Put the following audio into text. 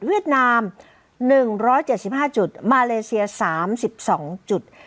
เวียดนามหนึ่งร้อยเจ็ดสิบห้าจุดมาเลเซียสามสิบสองจุด